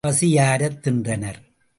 பசி யாரத் தின்றனர்.